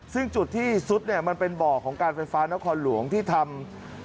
ซึ่งจุดที่ซุดเนี่ยมันเป็นบ่อของการไฟฟ้านครหลวงที่ทำ